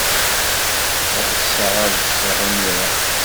Ɣseɣ ad ḍḍseɣ imir-a.